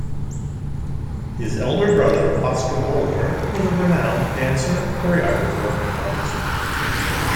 His elder brother Boscoe Holder was a renowned dancer, choreographer, and artist.